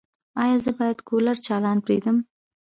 ایا زه باید کولر چالانه پریږدم؟